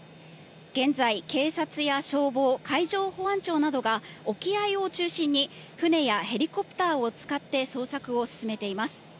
現在、警察や消防、海上保安庁などが沖合を中心に、船やヘリコプターを使って、捜索を進めています。